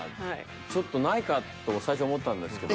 ちょっとないかと最初思ったんですけど。